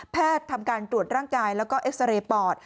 ทำการตรวจร่างกายแล้วก็เอ็กซาเรย์ปอด